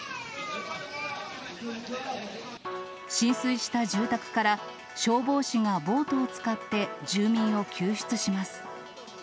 浸水した住宅から、消防士がボートを使って住民を救出します。